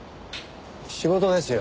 仕事ですよ。